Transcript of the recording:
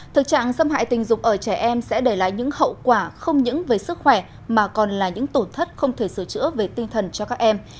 thực trạng xâm hại tình dục ở trẻ em sẽ để lại những hậu quả không những về sức khỏe mà còn là những tổn thất không thể sửa chữa về tinh thần cho các em